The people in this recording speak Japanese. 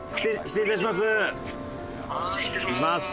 失礼します。